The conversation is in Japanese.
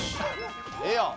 ええやん。